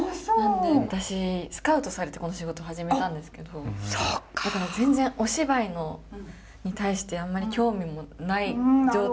私スカウトされてこの仕事始めたんですけどだから全然お芝居に対してあんまり興味もない状態で。